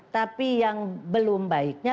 tapi yang belum baiknya